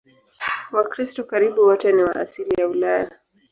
Wakristo karibu wote ni wa asili ya Ulaya.